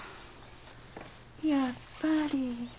やっぱり。